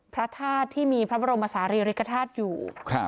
พระธาตุที่มีพระบรมศาลีริกฐาตุอยู่